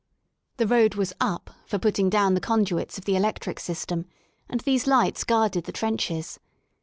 The road was up for putting down the conduits of the electric system, and these lights guarded the trenches.